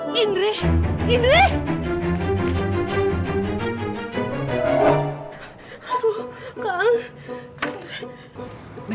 nggak ada apa apa